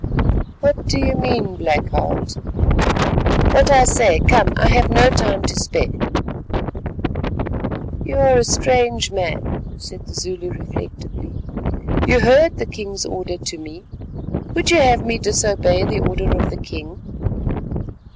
"What do you mean, Black Heart?" "What I say. Come, I have no time to spare." "You are a strange man," said the Zulu reflectively. "You heard the king's order to me: would you have me disobey the order of the king?"